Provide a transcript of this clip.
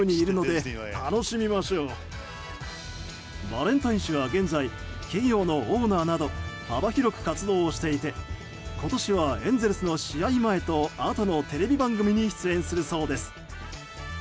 バレンタイン氏は現在企業のオーナーなど幅広く活動をしていて今年はエンゼルスの試合前とあとのテレビ番組に出演するそうです。